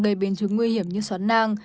gây biến trứng nguy hiểm như xoắn năng